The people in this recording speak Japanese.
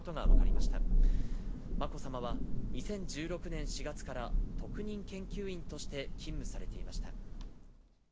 まこさまは２０１６年４月から特任研究員として勤務されていました。